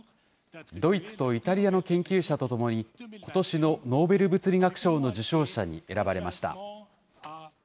ドイツとイタリアの研究者とともに、ことしのノーベル物理学賞の受賞者に選ばれました。